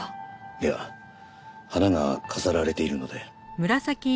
いや花が飾られているので。